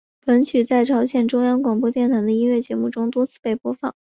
本曲在朝鲜中央广播电台的音乐节目中多次被播放。